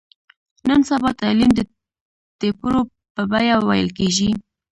نن سبا تعلیم د ټېپرو په بیه ویل کېږي.